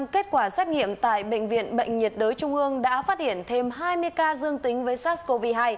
kết quả xét nghiệm tại bệnh viện bệnh nhiệt đới trung ương đã phát hiện thêm hai mươi ca dương tính với sars cov hai